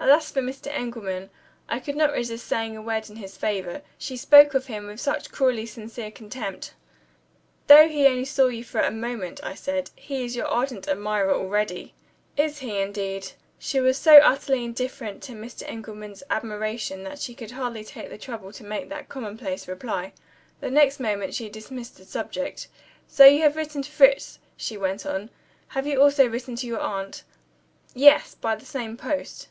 Alas for Mr. Engelman! I could not resist saying a word in his favor she spoke of him with such cruelly sincere contempt. "Though he only saw you for a moment," I said, "he is your ardent admirer already." "Is he indeed?" She was so utterly indifferent to Mr. Engelman's admiration that she could hardly take the trouble to make that commonplace reply. The next moment she dismissed the subject. "So you have written to Fritz?" she went on. "Have you also written to your aunt?" "Yes, by the same post."